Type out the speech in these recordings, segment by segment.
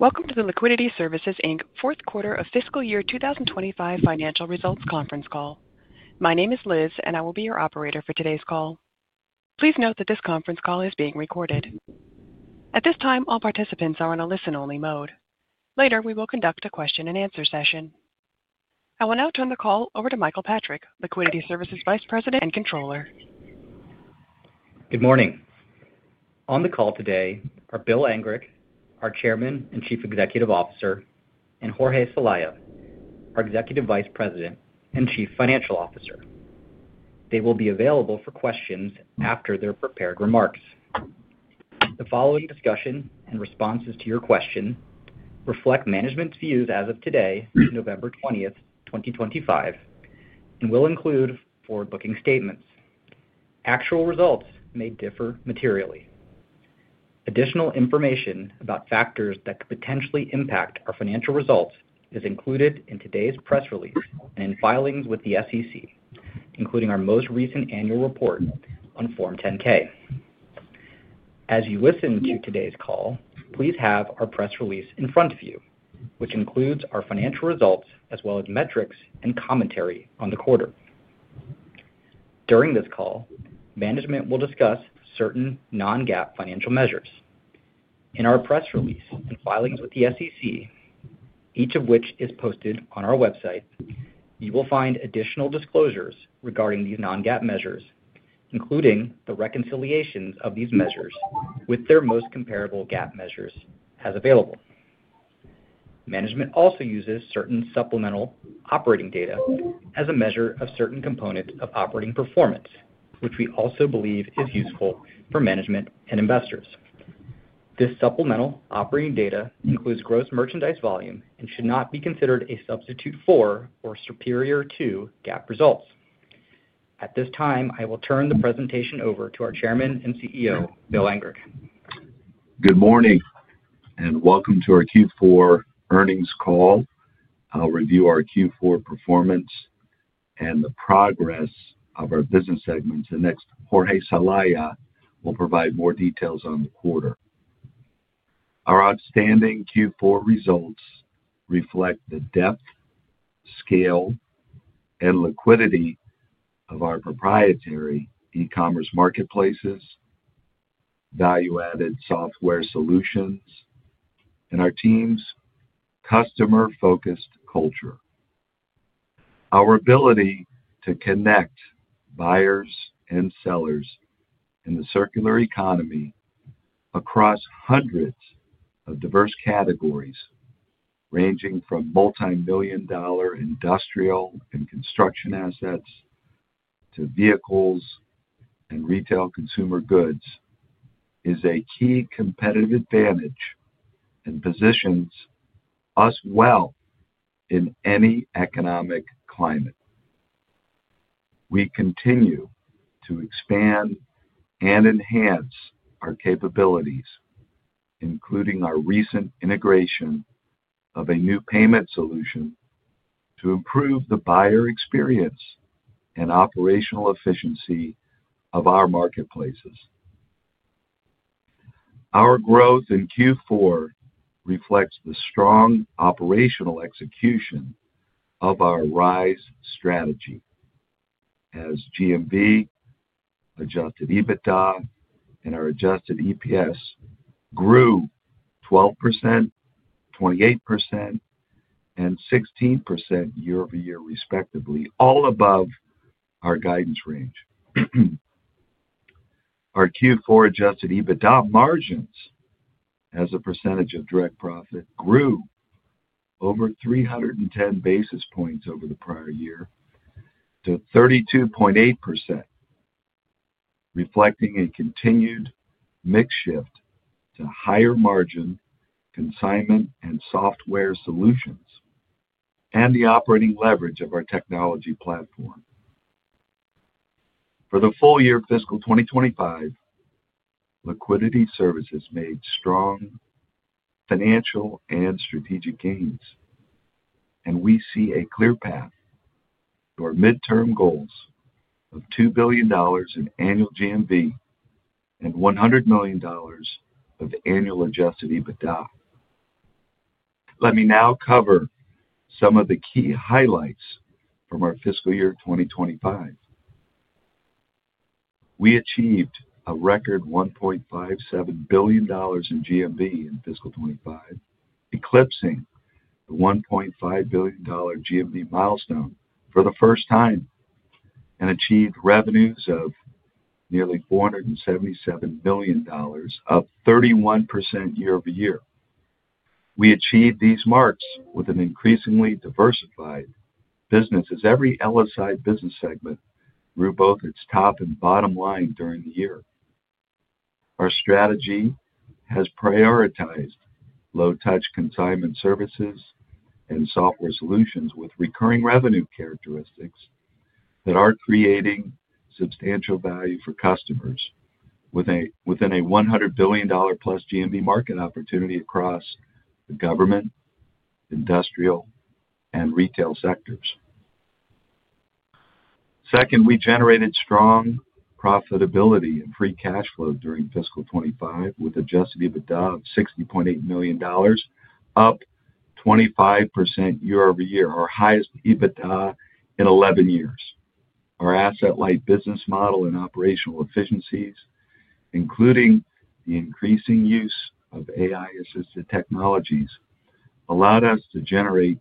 Welcome to the Liquidity Services Fourth Quarter of Fiscal Year 2025 Financial Results Conference Call. My name is Liz, and I will be your operator for today's call. Please note that this conference call is being recorded. At this time, all participants are in a listen-only mode. Later, we will conduct a question-and-answer session. I will now turn the call over to Michael Patrick, Liquidity Services Vice President and Controller. Good morning. On the call today are Will Angrick, our Chairman and Chief Executive Officer, and Jorge Celaya, our Executive Vice President and Chief Financial Officer. They will be available for questions after their prepared remarks. The following discussion and responses to your question reflect management's views as of today, November 20th, 2025, and will include forward-looking statements. Actual results may differ materially. Additional information about factors that could potentially impact our financial results is included in today's press release and in filings with the SEC, including our most recent annual report on Form 10-K. As you listen to today's call, please have our press release in front of you, which includes our financial results as well as metrics and commentary on the quarter. During this call, management will discuss certain non-GAAP financial measures. In our press release and filings with the SEC, each of which is posted on our website, you will find additional disclosures regarding these non-GAAP measures, including the reconciliations of these measures with their most comparable GAAP measures as available. Management also uses certain supplemental operating data as a measure of certain components of operating performance, which we also believe is useful for management and investors. This supplemental operating data includes gross merchandise volume and should not be considered a substitute for or superior to GAAP results. At this time, I will turn the presentation over to our Chairman and CEO, Will Angrick. Good morning and welcome to our Q4 earnings call. I'll review our Q4 performance and the progress of our business segments. Next, Jorge Celaya will provide more details on the quarter. Our outstanding Q4 results reflect the depth, scale, and liquidity of our proprietary e-commerce marketplaces, value-added software solutions, and our team's customer-focused culture. Our ability to connect buyers and sellers in the circular economy across hundreds of diverse categories ranging from multi-million dollar industrial and construction assets to vehicles and retail consumer goods is a key competitive advantage and positions us well in any economic climate. We continue to expand and enhance our capabilities, including our recent integration of a new payment solution to improve the buyer experience and operational efficiency of our marketplaces. Our growth in Q4 reflects the strong operational execution of our RISE strategy as GMV, adjusted EBITDA, and our adjusted EPS grew 12%, 28%, and 16% year-over-year, respectively, all above our guidance range. Our Q4 adjusted EBITDA margins as a percentage of direct profit grew over 310 basis points over the prior year to 32.8%, reflecting a continued mix shift to higher margin consignment and software solutions and the operating leverage of our technology platform. For the full year of fiscal 2025, Liquidity Services made strong financial and strategic gains, and we see a clear path to our midterm goals of $2 billion in annual GMV and $100 million of annual adjusted EBITDA. Let me now cover some of the key highlights from our fiscal year 2025. We achieved a record $1.57 billion in GMV in fiscal 2025, eclipsing the $1.5 billion GMV milestone for the first time, and achieved revenues of nearly $477 million, up 31% year-over-year. We achieved these marks with an increasingly diversified business as every LSI business segment grew both its top and bottom line during the year. Our strategy has prioritized low-touch consignment services and software solutions with recurring revenue characteristics that are creating substantial value for customers within a $100 billion-plus GMV market opportunity across the government, industrial, and retail sectors. Second, we generated strong profitability and free cash flow during fiscal 2025 with adjusted EBITDA of $60.8 million, up 25% year-over-year, our highest EBITDA in 11 years. Our asset-light business model and operational efficiencies, including the increasing use of AI-assisted technologies, allowed us to generate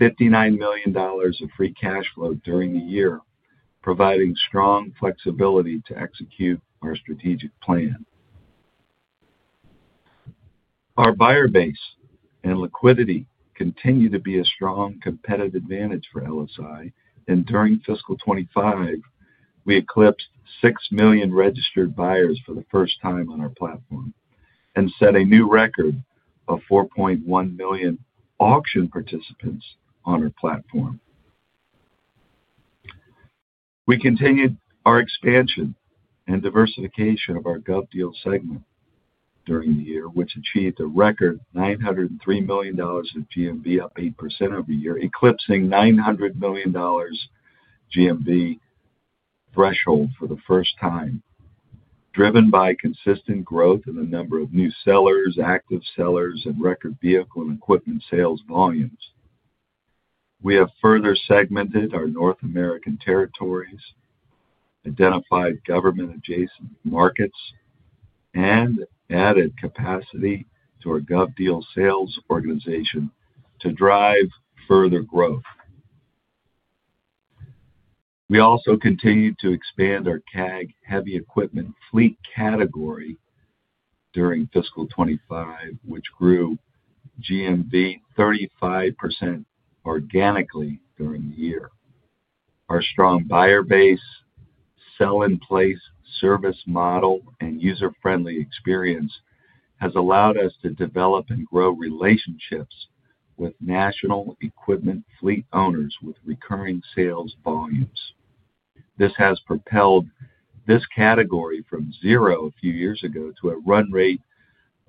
$59 million of free cash flow during the year, providing strong flexibility to execute our strategic plan. Our buyer base and liquidity continue to be a strong competitive advantage for Liquidity Services, and during fiscal 2025, we eclipsed 6 million registered buyers for the first time on our platform and set a new record of 4.1 million auction participants on our platform. We continued our expansion and diversification of our GovDeals segment during the year, which achieved a record $903 million of GMV, up 8% every year, eclipsing $900 million GMV threshold for the first time, driven by consistent growth in the number of new sellers, active sellers, and record vehicle and equipment sales volumes. We have further segmented our North American territories, identified government-adjacent markets, and added capacity to our GovDeals sales organization to drive further growth. We also continued to expand our CAG heavy equipment fleet category during fiscal 2025, which grew GMV 35% organically during the year. Our strong buyer base, sell-in-place service model, and user-friendly experience have allowed us to develop and grow relationships with national equipment fleet owners with recurring sales volumes. This has propelled this category from zero a few years ago to a run rate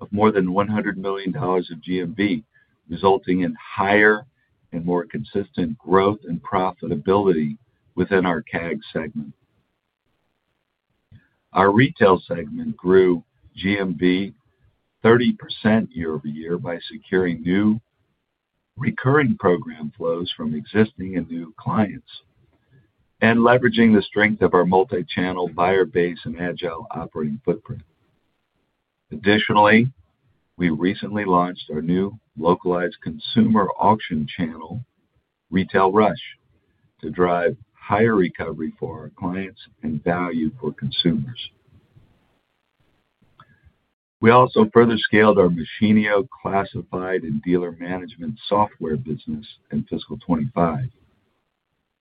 of more than $100 million of GMV, resulting in higher and more consistent growth and profitability within our CAG segment. Our retail segment grew GMV 30% year-over-year by securing new recurring program flows from existing and new clients and leveraging the strength of our multi-channel buyer base and agile operating footprint. Additionally, we recently launched our new localized consumer auction channel, Retail Rush, to drive higher recovery for our clients and value for consumers. We also further scaled our machine classified and dealer management software business in fiscal 2025.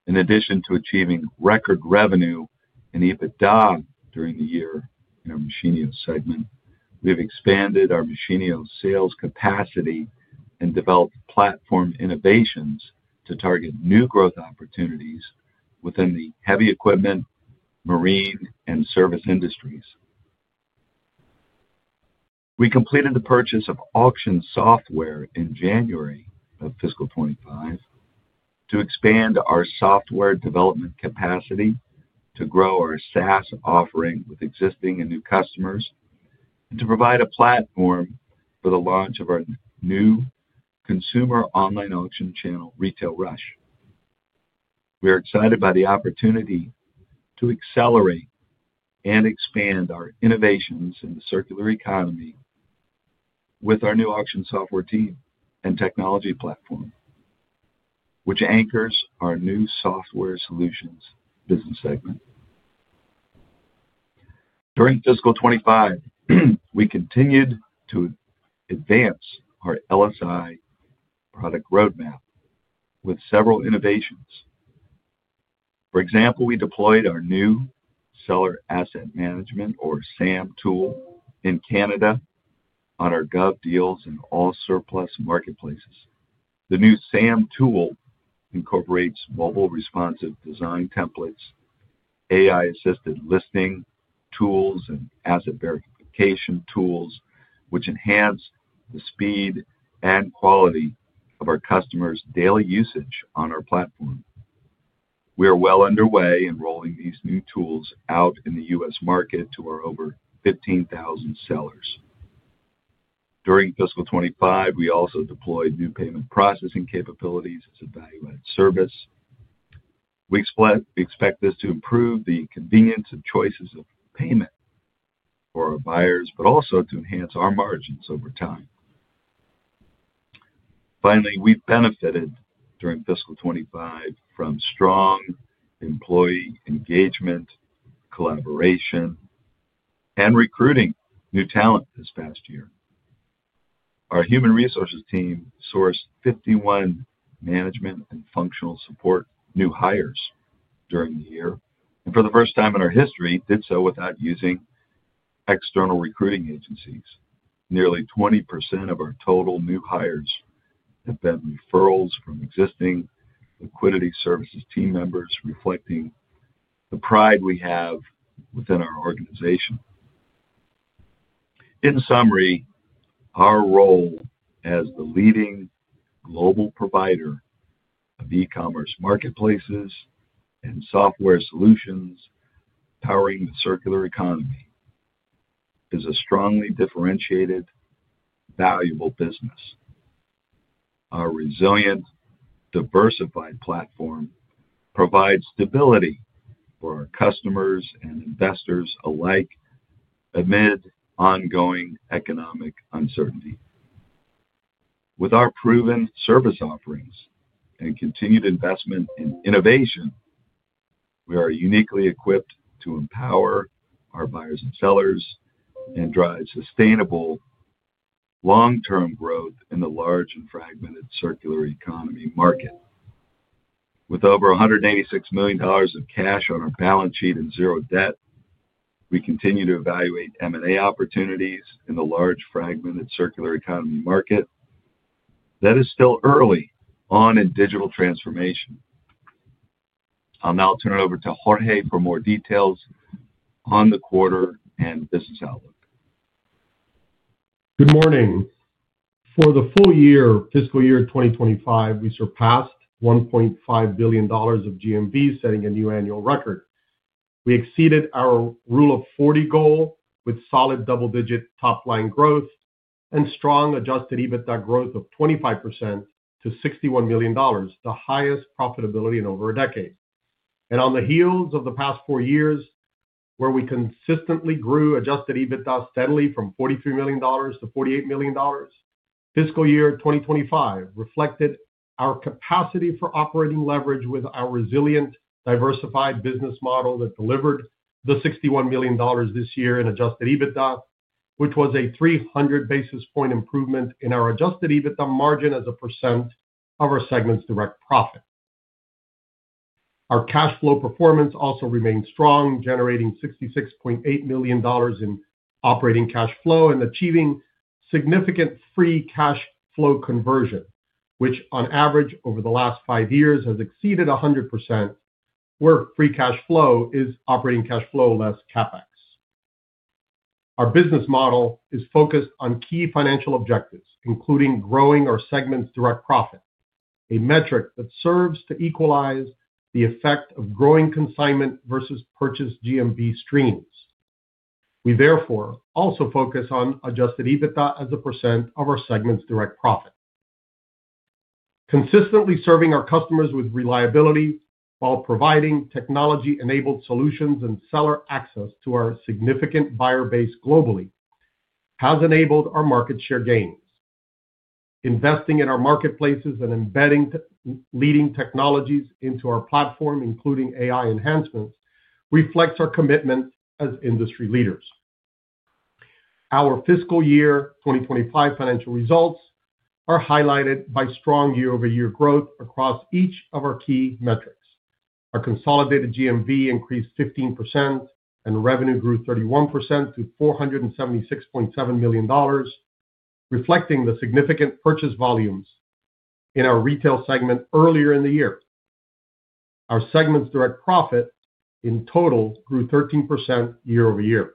In addition to achieving record revenue and EBITDA during the year in our machine segment, we have expanded our machine sales capacity and developed platform innovations to target new growth opportunities within the heavy equipment, marine, and service industries. We completed the purchase of auction software in January of fiscal 2025 to expand our software development capacity, to grow our SaaS offering with existing and new customers, and to provide a platform for the launch of our new consumer online auction channel, Retail Rush. We are excited by the opportunity to accelerate and expand our innovations in the circular economy with our new auction software team and technology platform, which anchors our new software solutions business segment. During fiscal 2025, we continued to advance our LSI product roadmap with several innovations. For example, we deployed our new Seller Asset Management, or SAM, tool in Canada on our GovDeals and AllSurplus marketplaces. The new SAM tool incorporates mobile responsive design templates, AI-assisted listing tools, and asset verification tools, which enhance the speed and quality of our customers' daily usage on our platform. We are well underway in rolling these new tools out in the U.S. market to our over 15,000 sellers. During fiscal 2025, we also deployed new payment processing capabilities as a value-added service. We expect this to improve the convenience and choices of payment for our buyers, but also to enhance our margins over time. Finally, we benefited during fiscal 2025 from strong employee engagement, collaboration, and recruiting new talent this past year. Our human resources team sourced 51 management and functional support new hires during the year and, for the first time in our history, did so without using external recruiting agencies. Nearly 20% of our total new hires have been referrals from existing Liquidity Services team members, reflecting the pride we have within our organization. In summary, our role as the leading global provider of e-commerce marketplaces and software solutions powering the circular economy is a strongly differentiated, valuable business. Our resilient, diversified platform provides stability for our customers and investors alike amid ongoing economic uncertainty. With our proven service offerings and continued investment in innovation, we are uniquely equipped to empower our buyers and sellers and drive sustainable long-term growth in the large and fragmented circular economy market. With over $186 million of cash on our balance sheet and zero debt, we continue to evaluate M&A opportunities in the large fragmented circular economy market that is still early on in digital transformation. I'll now turn it over to Jorge for more details on the quarter and business outlook. Good morning. For the full year, fiscal year 2025, we surpassed $1.5 billion of GMV, setting a new annual record. We exceeded our rule of 40 goal with solid double-digit top-line growth and strong adjusted EBITDA growth of 25% to $61 million, the highest profitability in over a decade. On the heels of the past four years, where we consistently grew adjusted EBITDA steadily from $43 million to $48 million, fiscal year 2025 reflected our capacity for operating leverage with our resilient, diversified business model that delivered the $61 million this year in adjusted EBITDA, which was a 300 basis point improvement in our adjusted EBITDA margin as a percent of our segment's direct profit. Our cash flow performance also remained strong, generating $66.8 million in operating cash flow and achieving significant free cash flow conversion, which, on average, over the last five years has exceeded 100% where free cash flow is operating cash flow less CapEx. Our business model is focused on key financial objectives, including growing our segment's direct profit, a metric that serves to equalize the effect of growing consignment versus purchase GMV streams. We, therefore, also focus on adjusted EBITDA as a percent of our segment's direct profit. Consistently serving our customers with reliability while providing technology-enabled solutions and seller access to our significant buyer base globally has enabled our market share gains. Investing in our marketplaces and embedding leading technologies into our platform, including AI enhancements, reflects our commitment as industry leaders. Our fiscal year 2025 financial results are highlighted by strong year-over-year growth across each of our key metrics. Our consolidated GMV increased 15%, and revenue grew 31% to $476.7 million, reflecting the significant purchase volumes in our retail segment earlier in the year. Our segment's direct profit in total grew 13% year-over-year.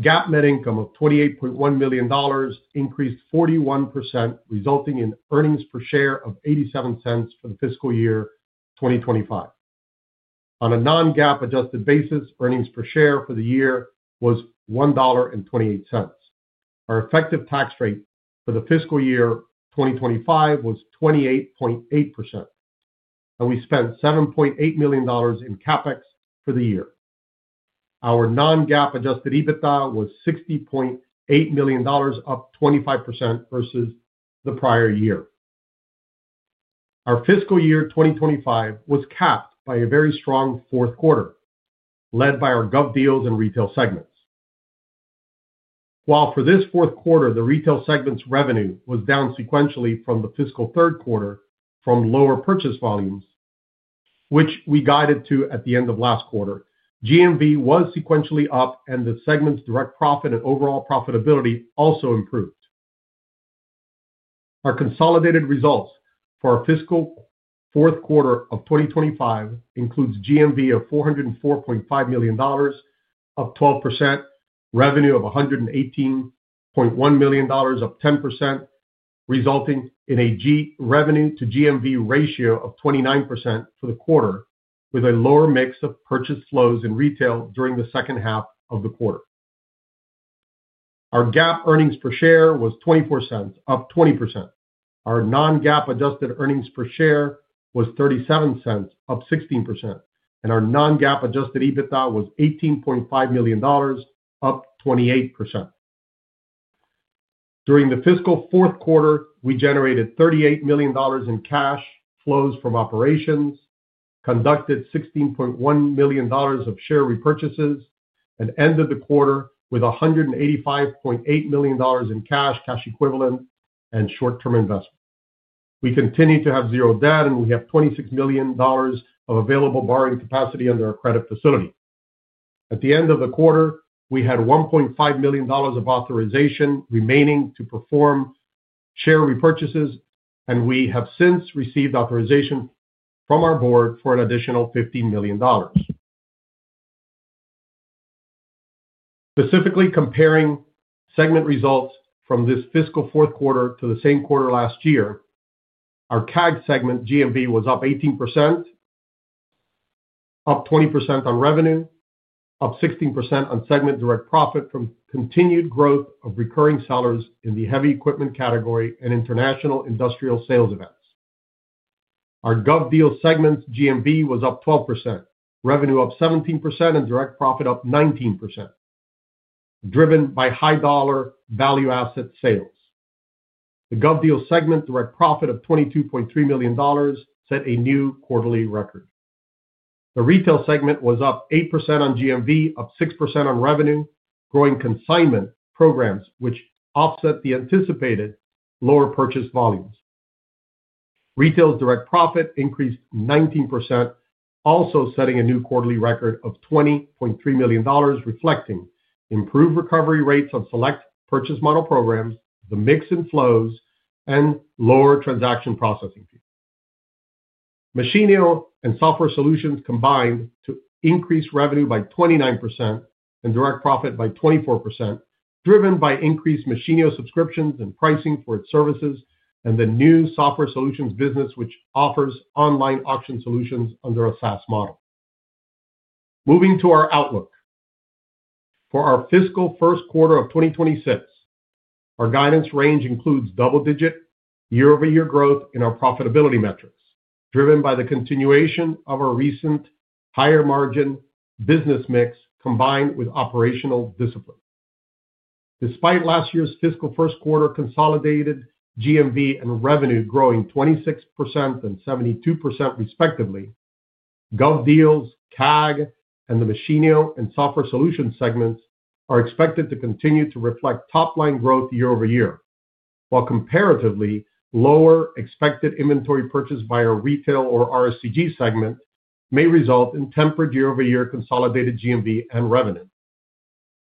GAAP net income of $28.1 million increased 41%, resulting in earnings per share of $0.87 for the fiscal year 2025. On a non-GAAP adjusted basis, earnings per share for the year was $1.28. Our effective tax rate for the fiscal year 2025 was 28.8%, and we spent $7.8 million in CapEx for the year. Our non-GAAP adjusted EBITDA was $60.8 million, up 25% versus the prior year. Our fiscal year 2025 was capped by a very strong fourth quarter, led by our GovDeals and retail segments. While for this fourth quarter, the retail segment's revenue was down sequentially from the fiscal third quarter from lower purchase volumes, which we guided to at the end of last quarter, GMV was sequentially up, and the segment's direct profit and overall profitability also improved. Our consolidated results for our fiscal fourth quarter of 2025 include GMV of $404.5 million, up 12%, revenue of $118.1 million, up 10%, resulting in a revenue to GMV ratio of 29% for the quarter, with a lower mix of purchase flows in retail during the second half of the quarter. Our GAAP earnings per share was $0.24, up 20%. Our non-GAAP adjusted earnings per share was $0.37, up 16%, and our non-GAAP adjusted EBITDA was $18.5 million, up 28%. During the fiscal fourth quarter, we generated $38 million in cash flows from operations, conducted $16.1 million of share repurchases, and ended the quarter with $185.8 million in cash, cash equivalent, and short-term investment. We continue to have zero debt, and we have $26 million of available borrowing capacity under our credit facility. At the end of the quarter, we had $1.5 million of authorization remaining to perform share repurchases, and we have since received authorization from our board for an additional $15 million. Specifically comparing segment results from this fiscal fourth quarter to the same quarter last year, our CAG segment GMV was up 18%, up 20% on revenue, up 16% on segment direct profit from continued growth of recurring sellers in the heavy equipment category and international industrial sales events. Our GovDeals segment's GMV was up 12%, revenue up 17%, and direct profit up 19%, driven by high-dollar value asset sales. The GovDeals segment direct profit of $22.3 million set a new quarterly record. The retail segment was up 8% on GMV, up 6% on revenue, growing consignment programs, which offset the anticipated lower purchase volumes. Retail's direct profit increased 19%, also setting a new quarterly record of $20.3 million, reflecting improved recovery rates on select purchase model programs, the mix in flows, and lower transaction processing fees. Machinio and software solutions combined to increase revenue by 29% and direct profit by 24%, driven by increased Machinio subscriptions and pricing for its services and the new software solutions business, which offers online auction solutions under a SaaS model. Moving to our outlook for our fiscal first quarter of 2026, our guidance range includes double-digit year-over-year growth in our profitability metrics, driven by the continuation of our recent higher margin business mix combined with operational discipline. Despite last year's fiscal first quarter consolidated GMV and revenue growing 26% and 72% respectively, GovDeals, CAG, and the Machinio and software solution segments are expected to continue to reflect top-line growth year-over-year, while comparatively lower expected inventory purchase by our retail or RSCG segment may result in tempered year-over-year consolidated GMV and revenue.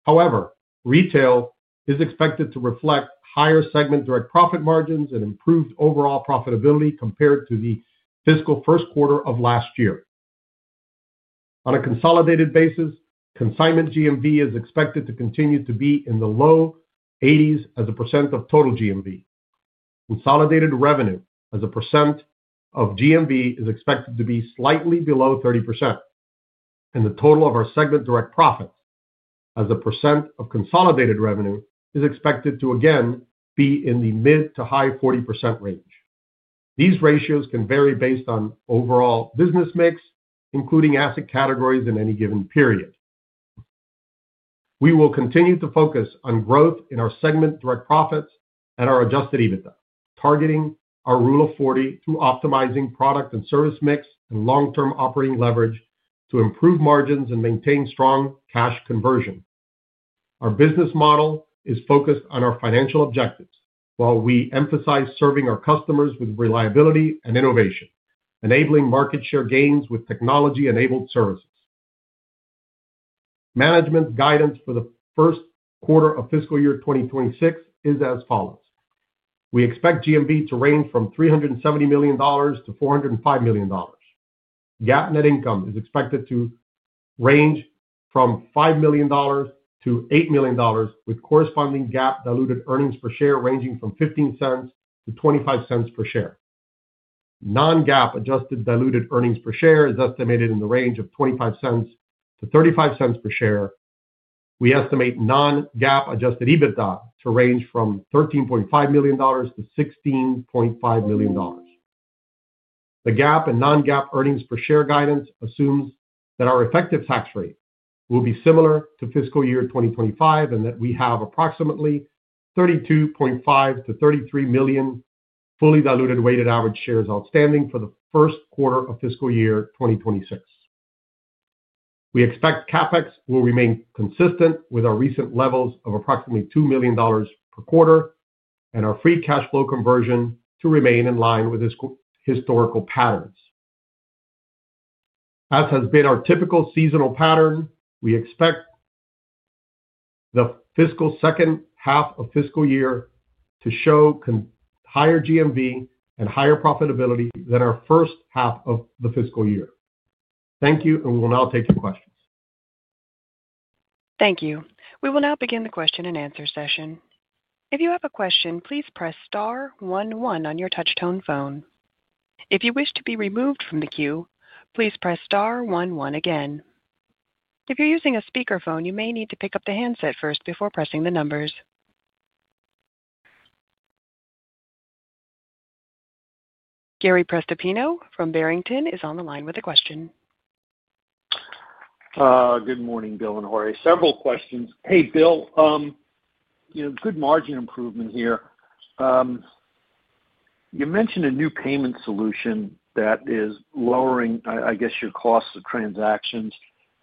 However, retail is expected to reflect higher segment direct profit margins and improved overall profitability compared to the fiscal first quarter of last year. On a consolidated basis, consignment GMV is expected to continue to be in the low 80s as a percent of total GMV. Consolidated revenue as a percent of GMV is expected to be slightly below 30%, and the total of our segment direct profits as a percent of consolidated revenue is expected to again be in the mid to high 40% range. These ratios can vary based on overall business mix, including asset categories in any given period. We will continue to focus on growth in our segment direct profits and our adjusted EBITDA, targeting our rule of 40 through optimizing product and service mix and long-term operating leverage to improve margins and maintain strong cash conversion. Our business model is focused on our financial objectives, while we emphasize serving our customers with reliability and innovation, enabling market share gains with technology-enabled services. Management guidance for the first quarter of fiscal year 2026 is as follows. We expect GMV to range from $370 million-$405 million. GAAP net income is expected to range from $5 million-$8 million, with corresponding GAAP diluted earnings per share ranging from $0.15-$0.25 per share. Non-GAAP adjusted diluted earnings per share is estimated in the range of $0.25-$0.35 per share. We estimate non-GAAP adjusted EBITDA to range from $13.5 million-$16.5 million. The GAAP and non-GAAP earnings per share guidance assumes that our effective tax rate will be similar to fiscal year 2025 and that we have approximately $32.5 million-$33 million fully diluted weighted average shares outstanding for the first quarter of fiscal year 2026. We expect CapEx will remain consistent with our recent levels of approximately $2 million per quarter and our free cash flow conversion to remain in line with historical patterns. As has been our typical seasonal pattern, we expect the fiscal second half of fiscal year to show higher GMV and higher profitability than our first half of the fiscal year. Thank you, and we will now take your questions. Thank you. We will now begin the question and answer session. If you have a question, please press star 11 on your touchtone phone. If you wish to be removed from the queue, please press star 11 again. If you're using a speakerphone, you may need to pick up the handset first before pressing the numbers. Gary Prespettino from Barrington is on the line with a question. Good morning, Will and Jorge. Several questions. Hey, Will, good margin improvement here. You mentioned a new payment solution that is lowering, I guess, your cost of transactions.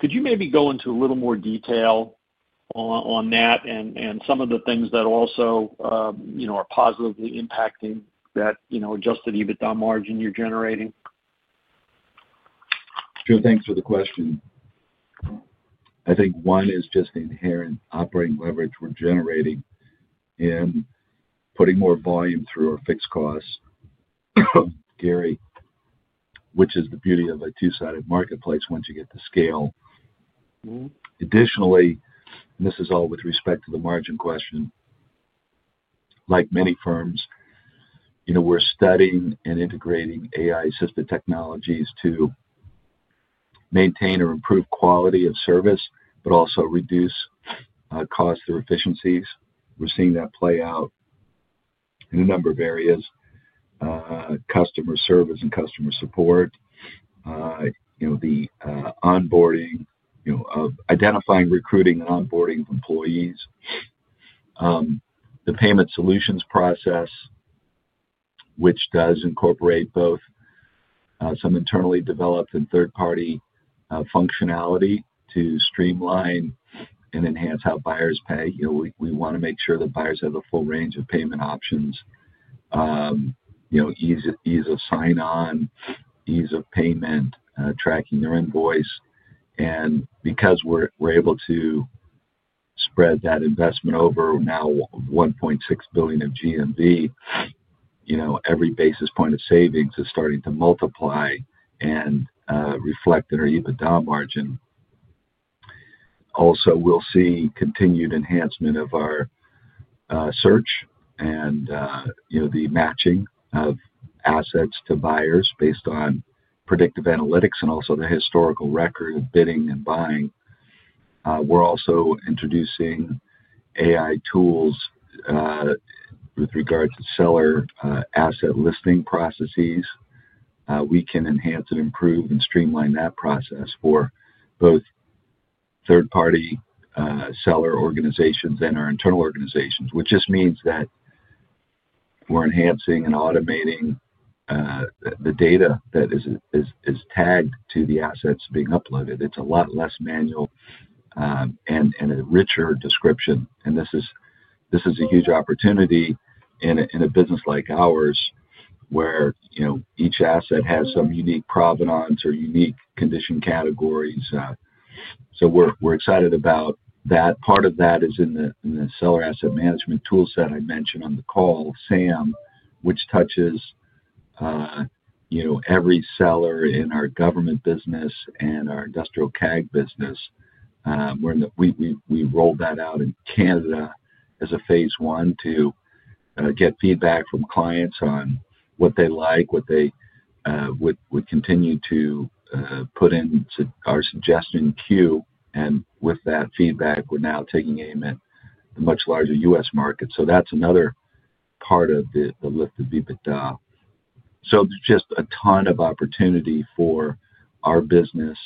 Could you maybe go into a little more detail on that and some of the things that also are positively impacting that adjusted EBITDA margin you're generating? Sure. Thanks for the question. I think one is just the inherent operating leverage we're generating and putting more volume through our fixed costs, Gary, which is the beauty of a two-sided marketplace once you get to scale. Additionally, and this is all with respect to the margin question, like many firms, we're studying and integrating AI-assisted technologies to maintain or improve quality of service, but also reduce costs or efficiencies. We're seeing that play out in a number of areas: customer service and customer support, the onboarding of identifying, recruiting, and onboarding of employees, the payment solutions process, which does incorporate both some internally developed and third-party functionality to streamline and enhance how buyers pay. We want to make sure that buyers have a full range of payment options: ease of sign-on, ease of payment, tracking their invoice. Because we're able to spread that investment over now $1.6 billion of GMV, every basis point of savings is starting to multiply and reflect in our EBITDA margin. Also, we'll see continued enhancement of our search and the matching of assets to buyers based on predictive analytics and also the historical record of bidding and buying. We're also introducing AI tools with regard to seller asset listing processes. We can enhance and improve and streamline that process for both third-party seller organizations and our internal organizations, which just means that we're enhancing and automating the data that is tagged to the assets being uploaded. It's a lot less manual and a richer description. This is a huge opportunity in a business like ours where each asset has some unique provenance or unique condition categories. We're excited about that. Part of that is in the seller asset management toolset I mentioned on the call, SAM, which touches every seller in our government business and our industrial CAG business. We rolled that out in Canada as a phase one to get feedback from clients on what they like, what they would continue to put in our suggestion queue. With that feedback, we're now taking aim at the much larger U.S. market. That is another part of the lift of EBITDA. There is just a ton of opportunity for our business,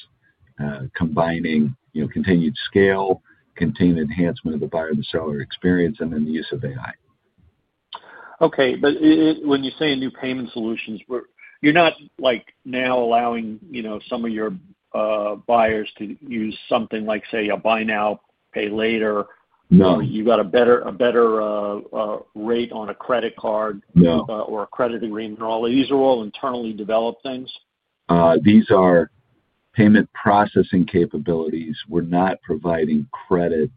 combining continued scale, continued enhancement of the buyer and the seller experience, and then the use of AI. Okay. When you say new payment solutions, you're not now allowing some of your buyers to use something like, say, a buy now, pay later? No. You've got a better rate on a credit card or a credit agreement and all of these? These are all internally developed things? These are payment processing capabilities. We're not providing credit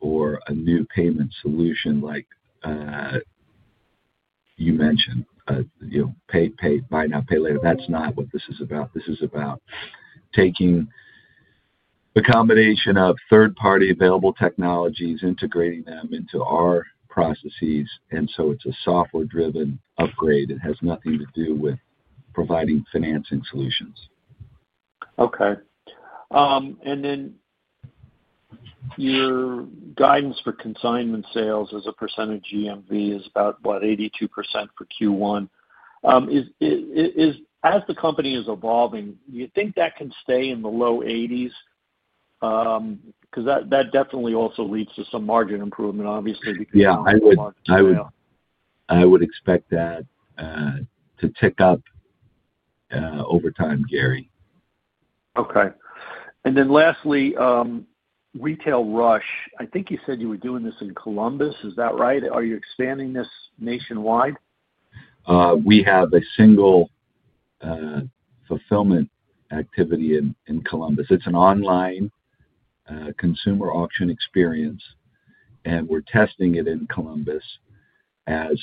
or a new payment solution like you mentioned, pay now, pay later. That's not what this is about. This is about taking a combination of third-party available technologies, integrating them into our processes. It's a software-driven upgrade. It has nothing to do with providing financing solutions. Okay. Your guidance for consignment sales as a percent of GMV is about, what, 82% for Q1. As the company is evolving, do you think that can stay in the low 80s? Because that definitely also leads to some margin improvement, obviously, because of the margin scale. Yeah. I would expect that to tick up over time, Gary. Okay. And then lastly, Retail Rush. I think you said you were doing this in Columbus. Is that right? Are you expanding this nationwide? We have a single fulfillment activity in Columbus. It's an online consumer auction experience, and we're testing it in Columbus as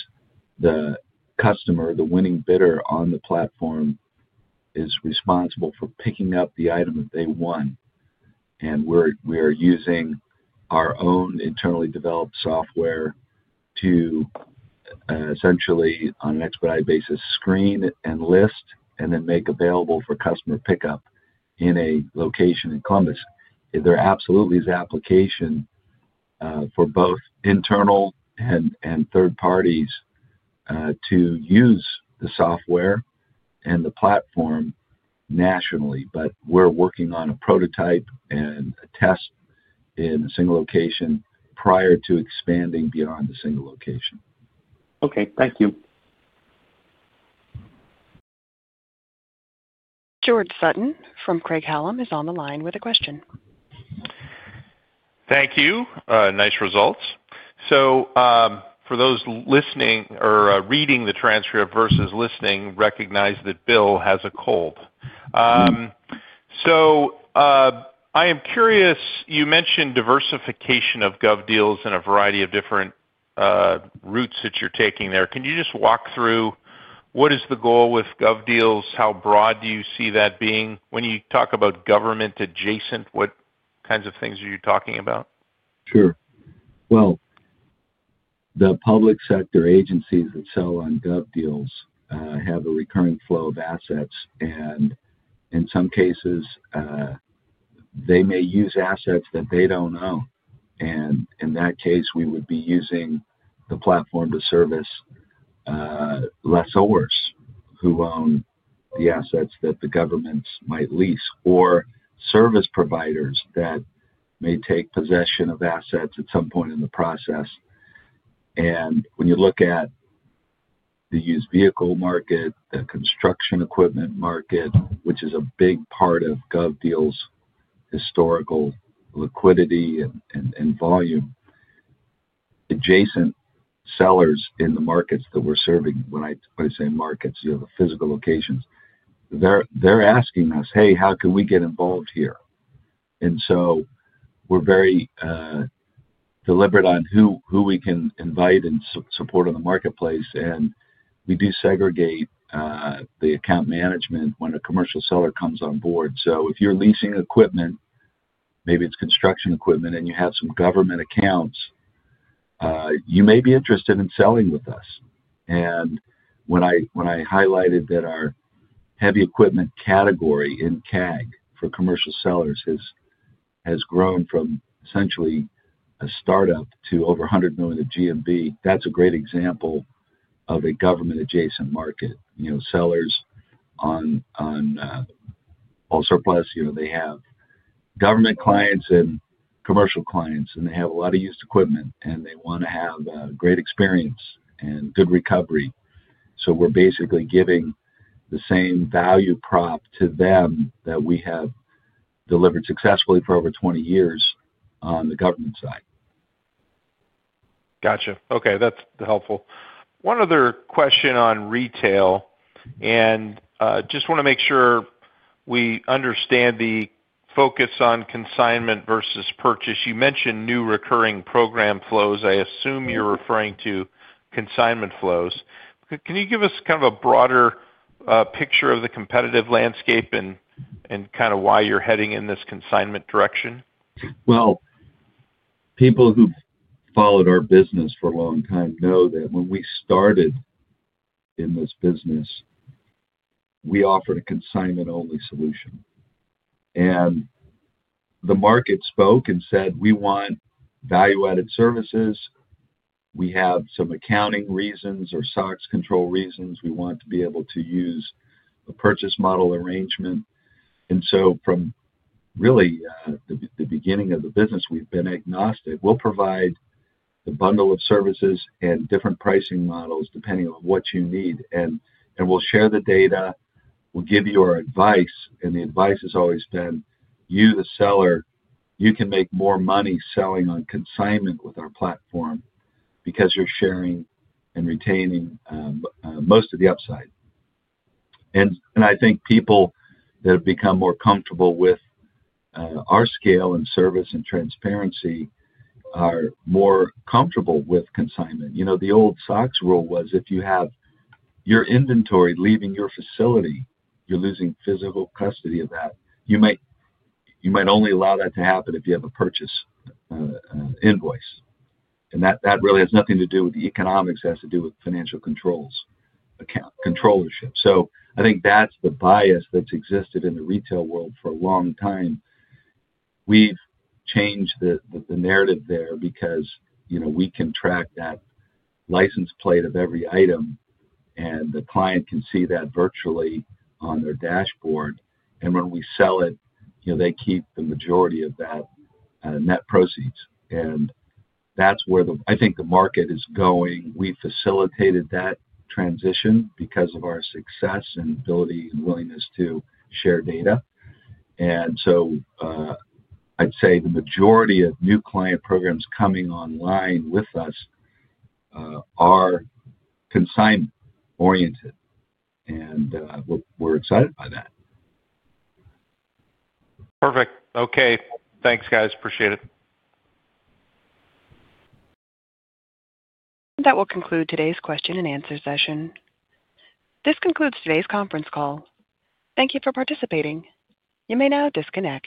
the customer, the winning bidder on the platform, is responsible for picking up the item that they won. We're using our own internally developed software to essentially, on an expedited basis, screen and list and then make available for customer pickup in a location in Columbus. There absolutely is application for both internal and third parties to use the software and the platform nationally, but we're working on a prototype and a test in a single location prior to expanding beyond the single location. Okay. Thank you. George Sutton from Craig-Hallum is on the line with a question. Thank you. Nice results. For those listening or reading the transcript versus listening, recognize that Will has a cold. I am curious. You mentioned diversification of GovDeals in a variety of different routes that you are taking there. Can you just walk through what is the goal with GovDeals? How broad do you see that being? When you talk about government-adjacent, what kinds of things are you talking about? Sure. The public sector agencies that sell on GovDeals have a recurring flow of assets, and in some cases, they may use assets that they do not own. In that case, we would be using the platform to service lessors who own the assets that the governments might lease or service providers that may take possession of assets at some point in the process. When you look at the used vehicle market, the construction equipment market, which is a big part of GovDeals' historical liquidity and volume, adjacent sellers in the markets that we are serving, when I say markets, the physical locations, they are asking us, "Hey, how can we get involved here?" We are very deliberate on who we can invite and support in the marketplace. We do segregate the account management when a commercial seller comes on board. If you're leasing equipment, maybe it's construction equipment, and you have some government accounts, you may be interested in selling with us. When I highlighted that our heavy equipment category in CAG for commercial sellers has grown from essentially a startup to over $100 million of GMV, that's a great example of a government-adjacent market. Sellers on AllSurplus, they have government clients and commercial clients, and they have a lot of used equipment, and they want to have a great experience and good recovery. We're basically giving the same value prop to them that we have delivered successfully for over 20 years on the government side. Gotcha. Okay. That's helpful. One other question on retail, and just want to make sure we understand the focus on consignment versus purchase. You mentioned new recurring program flows. I assume you're referring to consignment flows. Can you give us kind of a broader picture of the competitive landscape and kind of why you're heading in this consignment direction? People who've followed our business for a long time know that when we started in this business, we offered a consignment-only solution. The market spoke and said, "We want value-added services. We have some accounting reasons or SOX control reasons. We want to be able to use a purchase model arrangement." From really the beginning of the business, we've been agnostic. We'll provide the bundle of services and different pricing models depending on what you need. We'll share the data. We'll give you our advice. The advice has always been, "You, the seller, you can make more money selling on consignment with our platform because you're sharing and retaining most of the upside." I think people that have become more comfortable with our scale and service and transparency are more comfortable with consignment. The old SOX rule was if you have your inventory leaving your facility, you're losing physical custody of that. You might only allow that to happen if you have a purchase invoice. That really has nothing to do with the economics. It has to do with financial controls, controllership. I think that's the bias that's existed in the retail world for a long time. We've changed the narrative there because we can track that license plate of every item, and the client can see that virtually on their dashboard. When we sell it, they keep the majority of that net proceeds. That's where I think the market is going. We facilitated that transition because of our success and ability and willingness to share data. I'd say the majority of new client programs coming online with us are consignment-oriented. We're excited by that. Perfect. Okay. Thanks, guys. Appreciate it. That will conclude today's question and answer session. This concludes today's conference call. Thank you for participating. You may now disconnect.